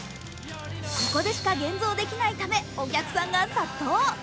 ここでしか現像できないため、お客さんが殺到。